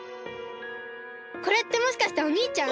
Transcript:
これってもしかしておにいちゃん？